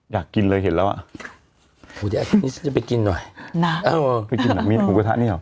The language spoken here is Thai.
อยากกินเลยเห็นแล้วอะอุ้ยจะไปกินหน่อยนะไปกินหน่อยมีหมูกระทะนี่เหรอ